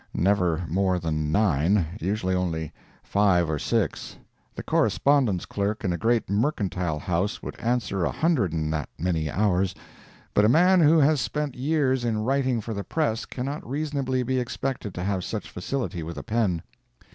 Never more than nine; usually only five or six. The correspondence clerk in a great mercantile house would answer a hundred in that many hours. But a man who has spent years in writing for the press cannot reasonably be expected to have such facility with a pen.